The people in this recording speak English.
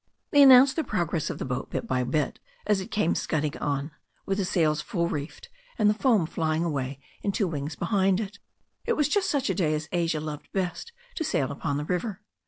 They announced the progress of the boat bit by bit as it came scudding on, with the sails full reefed and the foam flying away in two wings behind it. It was just such a day as Asia loved best to sail upon the river.